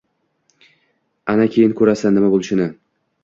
Ana keyin ko`rasan nima bo`lishini